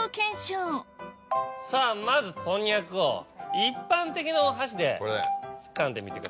まずこんにゃくを一般的なお箸でつかんでみてください。